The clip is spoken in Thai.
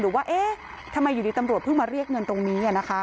ว่าเอ๊ะทำไมอยู่ดีตำรวจเพิ่งมาเรียกเงินตรงนี้นะคะ